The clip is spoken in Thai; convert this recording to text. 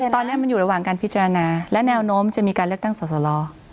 ตอนนี้มันอยู่ระหว่างการพิจารณาและแนวโน้มจะมีการเลือกตั้งสอสล